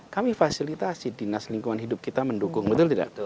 kami fasilitasi dinas lingkungan hidup kita mendukung betul tidak